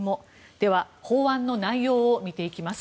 では、法案の内容を見ていきます。